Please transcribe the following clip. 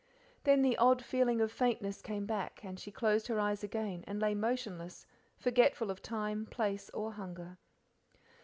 Then the odd feeling of faintness came back, and she closed her eyes again and lay motionless, forgetful of time, place, or hunger.